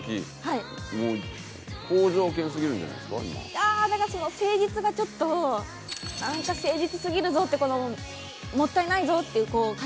ああーだから誠実がちょっとなんか誠実すぎるぞってこのもったいないぞっていう感じが。